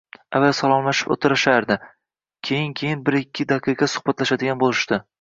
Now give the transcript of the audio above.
Avval salomlashib o'tishardi, keyin-keyin bir-ikki daqiqa suhbatlashadigan bo'lishdi.